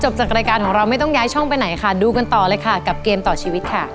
มาดูกันต่อเลยค่ะกับเกมต่อชีวิตค่ะ